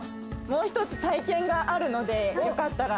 もう一つ体験があるので、よかったら。